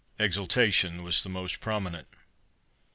Exultation was the most predominant.